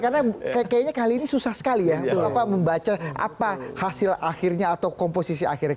karena kayaknya kali ini susah sekali ya untuk apa membaca apa hasil akhirnya atau komposisi akhirnya